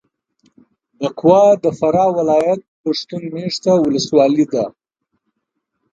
بکوا د فراه ولایت پښتون مېشته ولسوالي ده.